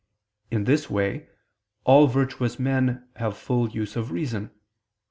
In this way all virtuous men have full use of reason.